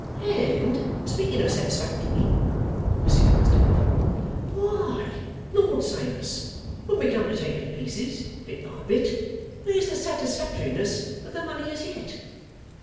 'And speaking of satisfactory,' pursued Mr Boffin, 'why, Lord save us! when we come to take it to pieces, bit by bit, where's the satisfactoriness of the money as yet?